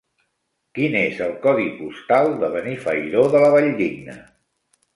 Quin és el codi postal de Benifairó de la Valldigna?